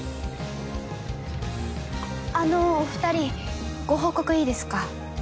あのお２人ご報告いいですか？